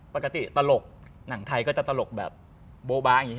ปกติตลกหนังไทยก็จะตลกแบบโบ๊ะอย่างงี้